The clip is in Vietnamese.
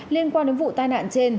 liên quan đến vụ tai nạn trên